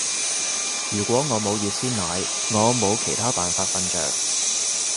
如果我冇熱鮮奶，我冇其他辦法瞓着